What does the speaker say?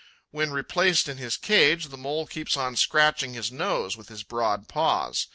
When replaced in his cage, the Mole keeps on scratching his nose with his broad paws.